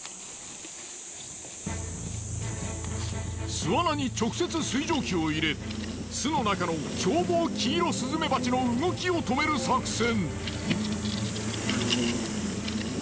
巣穴に直接水蒸気を入れ巣の中の凶暴キイロスズメバチの動きを止める作戦。